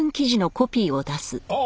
ああ！